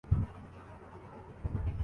لیکن وہ بچ نکلنے میں کامیاب ہوئے اور